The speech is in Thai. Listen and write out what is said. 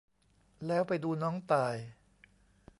แล้วไปดูน้องต่าย